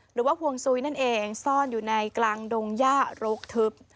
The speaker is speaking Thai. หรือว่าฮวงซุยนั่นเองซ่อนอยู่ในกลางดงหญ้าโรคทึบ